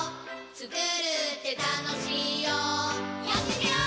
つくるってたのしいよやってみよー！